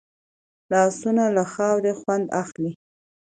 لاسونه له خاورې خوند اخلي